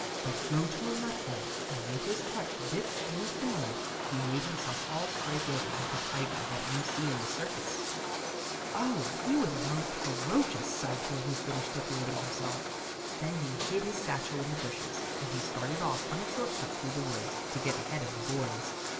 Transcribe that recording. but go to a mud hole, and with his crutch dipped into the mud, he made himself all striped over like a tiger that you see in a circus. Oh, he was a most ferocious sight when he finished decorating himself! Then he hid his satchel in the bushes, and he started off on a short cut through the woods, to get ahead of the boys.